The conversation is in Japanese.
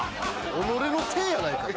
己のせいやないかと。